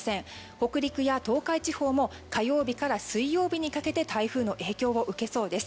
北陸や東海地方も火曜日から水曜日にかけて台風の影響を受けそうです。